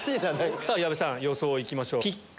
矢部さん予想いきましょう。